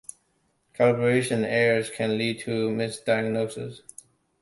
Calibration errors can lead to misdiagnosis.